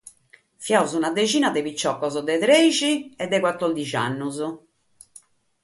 Fìamus una deghina de pitzocos de trèighi e de batòrdighi annos.